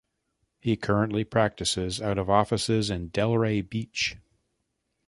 He currently practices out of offices in Delray Beach.